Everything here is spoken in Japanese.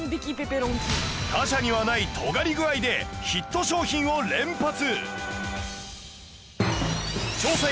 他社にはない尖り具合でヒット商品を連発！